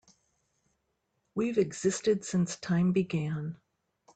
We've existed since time began.